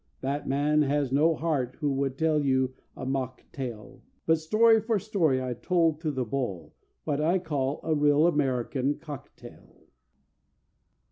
That man has no heart who would tell you a mock tale; But story for story I told to the Bull, What I call a real American cocktail."